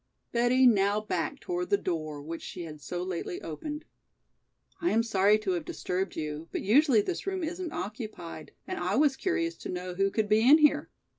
Betty now backed toward the door which she had so lately opened. "I am sorry to have disturbed you, but usually this room isn't occupied and I was curious to know who could be in here.